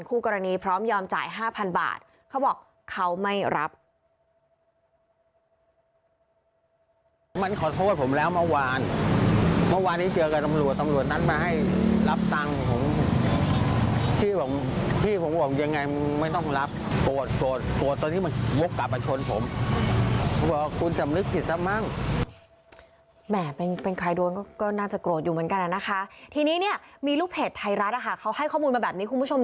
คู่กรณีพร้อมยอมจ่าย๕๐๐บาทเขาบอกเขาไม่รับ